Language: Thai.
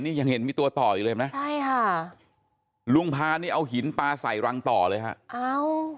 นี่ยังเห็นมีตัวต่ออยู่เลยไหมใช่ค่ะลุงพานี่เอาหินปลาใส่รังต่อเลยฮะอ้าว